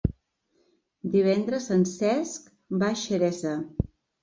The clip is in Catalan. Divendres en Cesc va a Xeresa.